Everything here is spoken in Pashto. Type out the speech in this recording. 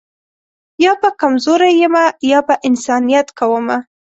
یا به کمزوری یمه یا به انسانیت کومه